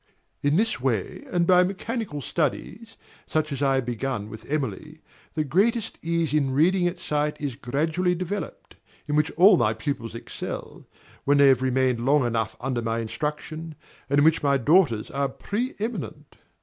In this way, and by mechanical studies, such as I have begun with Emily, the greatest ease in reading at sight is gradually developed, in which all my pupils excel, when they have remained long enough under my instruction, and in which my daughters are pre eminent.